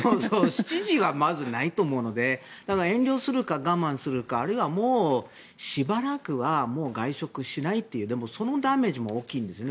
７時はまずないと思うので遠慮するか我慢するかもしくは、もうしばらくはもう外食しないっていうでも、そのダメージ大きいんですよね。